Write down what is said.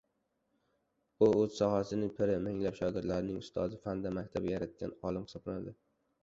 U oʻz sohasining piri, minglab shogirdlarning ustozi, fanda maktab yaratgan olim hisoblanadi.